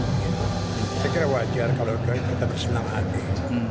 saya kira wajar kalau kita bersenang sengang